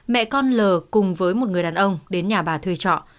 mẹ con l cùng với một người đàn ông đến nhà bà thuê trọ